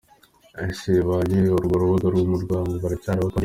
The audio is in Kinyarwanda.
Ese ba nyiri urwo rubuga rw’urwango baracyari abapadiri ?